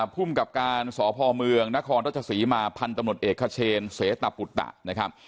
ภูมิกับการสพเมืองนศศรีมาพันธุ์ตำรวจเอกขเชนเสตปุตตะ